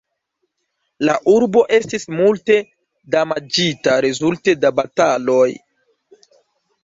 La urbo estis multe damaĝita rezulte de bataloj.